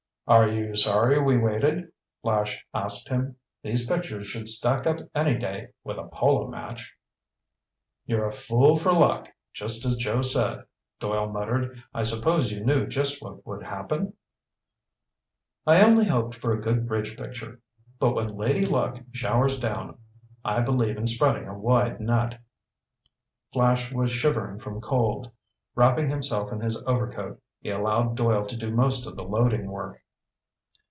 "Are you sorry we waited?" Flash asked him. "These pictures should stack up any day with a polo match." "You're a fool for luck, just as Joe said," Doyle muttered. "I suppose you knew just what would happen?" "I only hoped for a good bridge picture. But when Lady Luck showers down I believe in spreading a wide net." Flash was shivering from cold. Wrapping himself in his overcoat, he allowed Doyle to do most of the loading work.